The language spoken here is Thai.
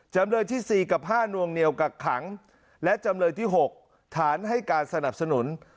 จำเลยที่๔กับ๕นวงเหนียวกักขังและจำเลยที่๖ฐานให้การสนับสนุน